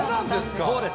そうです。